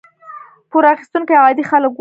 پور اخیستونکي عادي خلک وو.